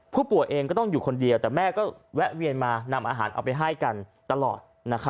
ผู้ป่วยเองก็ต้องอยู่คนเดียวแต่แม่ก็แวะเวียนมานำอาหารเอาไปให้กันตลอด